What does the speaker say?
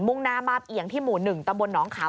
่งหน้ามาบเอียงที่หมู่๑ตำบลหนองขาม